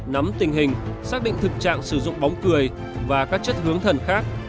nắm tình hình xác định thực trạng sử dụng bóng cười và các chất hướng thần khác